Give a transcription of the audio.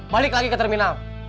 balik lagi ke terminal